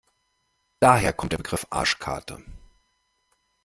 Daher kommt der Begriff Arschkarte.